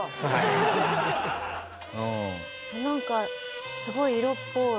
なんかすごい色っぽい。